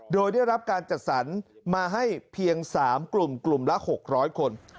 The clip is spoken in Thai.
โดยได้รับการจัดสรรมาให้เพียง๓กลุ่มกลุ่มละ๖๐๐คน